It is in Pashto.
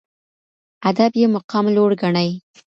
ادب یې مقام لوړ ګڼي